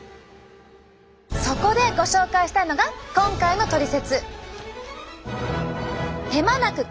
そこでご紹介したいのが今回のトリセツ！